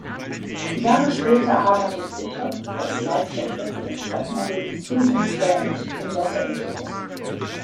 Jahre später arbeitet Bishop als Leibwächter für das Top-Modell Susan Trent in Los Angeles.